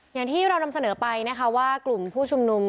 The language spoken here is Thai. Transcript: อย่างที่เรานำเสนอไปนะคะว่ากลุ่มผู้ชุมนุม